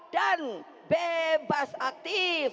dan bebas aktif